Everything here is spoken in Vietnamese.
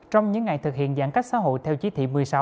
trong những ngày thực hiện giãn cách xã hội theo chí thị một mươi sáu